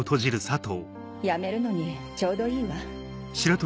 辞めるのにちょうどいいわ